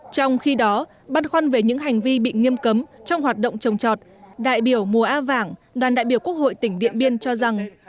trong khi đó băn khoăn về những hành vi bị nghiêm cấm trong hoạt động trồng trọt đại biểu mùa a vàng đoàn đại biểu quốc hội tỉnh điện biên cho rằng